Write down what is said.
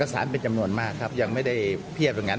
สารเป็นจำนวนมากครับยังไม่ได้เพียบตรงนั้น